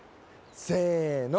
せの。